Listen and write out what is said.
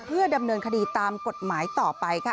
เพื่อดำเนินคดีตามกฎหมายต่อไปค่ะ